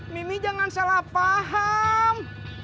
mimi jangan salah paham